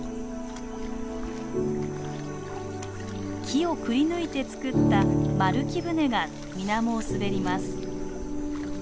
木をくりぬいて作った丸木舟が水面を滑ります。